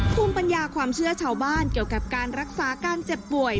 ภูมิปัญญาความเชื่อชาวบ้านเกี่ยวกับการรักษาการเจ็บป่วย